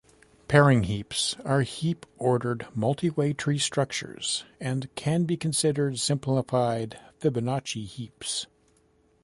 Pairing heaps are heap-ordered multiway tree structures, and can be considered simplified Fibonacci heaps.